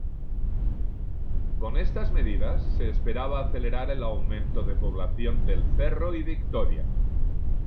Con estas medidas se esperaba acelerar el aumento de población del Cerro y Victoria.